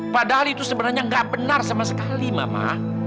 padahal itu sebenarnya nggak benar sama sekali mama